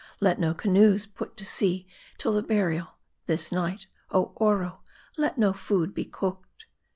Let no canoes put to sea till the burial. This night, oh Oro ! Let no food be cooked."